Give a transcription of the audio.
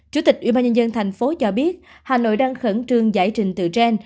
chủ tịch ubnd thành phố cho biết hà nội đang khẩn trương giải trình tự gen